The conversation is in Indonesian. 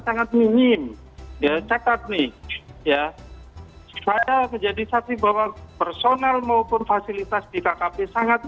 sangat minim ya cekat nih ya pada kejadian saat ini bahwa personal maupun fasilitas di kkp sangat